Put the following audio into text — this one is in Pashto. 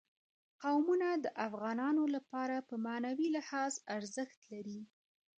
قومونه د افغانانو لپاره په معنوي لحاظ ارزښت لري.